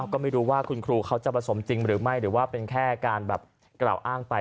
ก็ไม่รู้ว่าคุณครูเขาจะผสมจริงหรือไม่หรือว่าเป็นแค่การแบบกล่าวอ้างไป